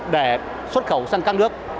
để xuất khẩu sang các nước